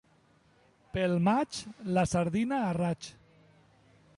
Pel maig, la sardina a raig.